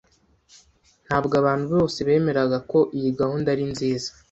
Ntabwo abantu bose bemeraga ko iyi gahunda ari nziza.